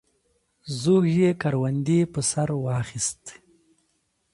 زوږ یې کروندې په سر واخیستې.